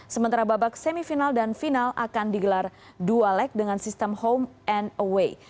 sementara babak semifinal dan final akan digelar dua leg dengan sistem home and away